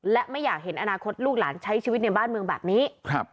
และไม่อยากเห็นอนาคตลูกหลานใช้ชีวิตในบ้านเมืองแบบนี้